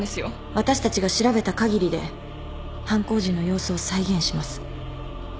私たちが調べたかぎりで犯行時の様子を再現します。